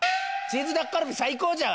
チーズタッカルビ最高じゃ！